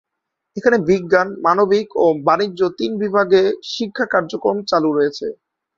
এখানে বিজ্ঞান, মানবিক ও বাণিজ্য তিন বিভাগে শিক্ষা কার্যক্রম চালু রয়েছে।